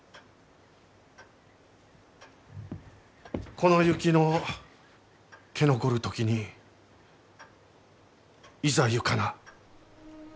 「この雪の消残る時にいざ行かな」。